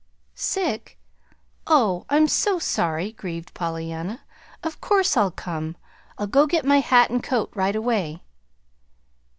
"Sick? Oh, I'm so sorry!" grieved Pollyanna. "Of course I'll come. I'll go get my hat and coat right away."